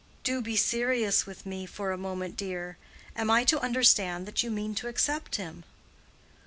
"Do be serious with me for a moment, dear. Am I to understand that you mean to accept him?"